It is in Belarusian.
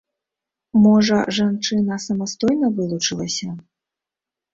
Можа, жанчына самастойна вылучылася?